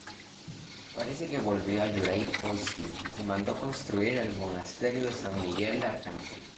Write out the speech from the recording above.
Parece que volvió a Yúriev-Polski y mandó construir el monasterio de San Miguel Arcángel.